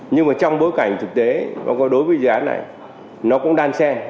nhưng trong bối cảnh thực tế đối với dự án này nó cũng đan xen